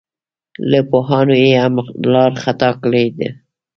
له پوهانو یې هم لار خطا کړې ده.